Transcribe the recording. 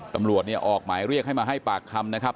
ตำรวจเนี่ยออกหมายเรียกให้มาให้ปากคำนะครับ